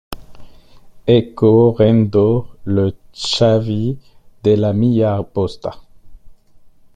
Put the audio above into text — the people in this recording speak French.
Ecco, rendo le chiavi della mia posta.